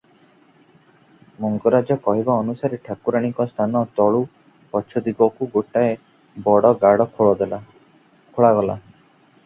ମଙ୍ଗରାଜ କହିବା ଅନୁସାରେ ଠାକୁରାଣୀଙ୍କ ସ୍ଥାନ ତଳୁ ପଛ ଦିଗକୁ ଗୋଟାଏ ବଡ ଗାଡ଼ ଖୋଳାଗଲା ।